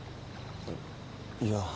いや。